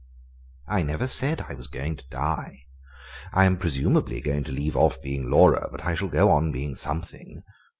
"I never said I was going to die. I am presumably going to leave off being Laura, but I shall go on being something.